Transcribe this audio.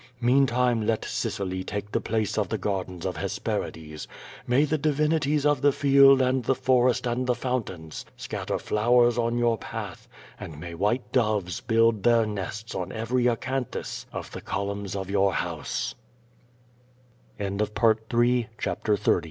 Meiintime, let Sicily take the place of the Gardens of Hespeiides; may the divinities of the field and the forest and the Bountains scatter flowers on your path, and may white doves bt^ld their nests on every acanthus of the columns of